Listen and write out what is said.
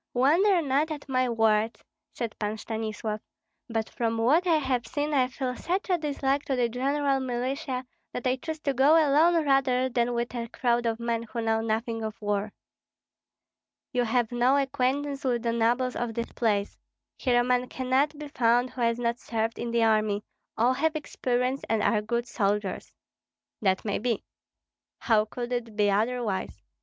"Wonder not at my words," said Pan Stanislav, "but from what I have seen I feel such a dislike to the general militia that I choose to go alone rather than with a crowd of men who know nothing of war." "You have no acquaintance with the nobles of this place. Here a man cannot be found who has not served in the army; all have experience and are good soldiers." "That may be." "How could it be otherwise?